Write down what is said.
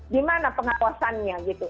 di mana pengawasannya gitu